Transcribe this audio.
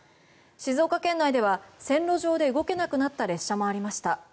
静岡県内では線路上で動けなくなった列車もありました。